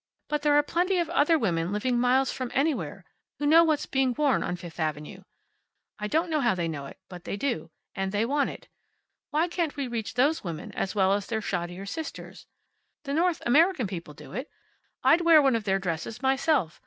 But there are plenty of other women living miles from anywhere who know what's being worn on Fifth avenue. I don't know how they know it, but they do. And they want it. Why can't we reach those women, as well as their shoddier sisters? The North American people do it. I'd wear one of their dresses myself.